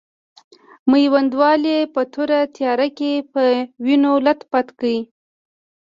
میوندوال یې په توره تیاره کې په وینو لت پت کړ.